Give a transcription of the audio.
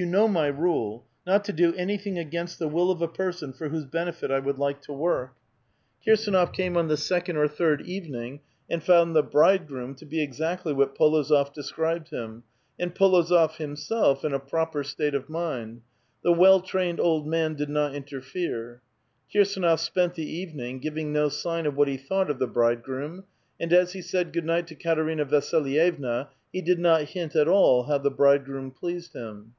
You know my rule : not to do anything against the will of a person for whose benefit I would like to work." Kirsdnof came on the second or third evening, and found the '' bridegroom" to be exactly what P61ozof described him, and P61ozof himself, in a proper state of mind ; the well trained old man did not interfere. Kirsdnof spent the evening, giving no sign of what he thought of the '' bride groom," and as he said good night to Katerina Vasilyevna, he did not hint at all how the bridegroom pleased him.